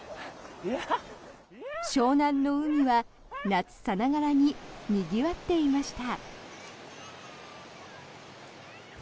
湘南の海は夏さながらににぎわっていました。